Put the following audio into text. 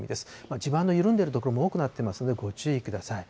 地盤の緩んでいる所も多くなっていますので、ご注意ください。